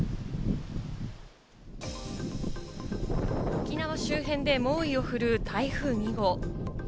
沖縄周辺で猛威を振るう台風２号。